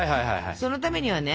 そのためにはね